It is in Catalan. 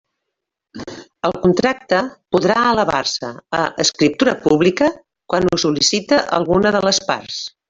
El contracte podrà elevar-se a escriptura pública quan ho sol·licite alguna de les parts.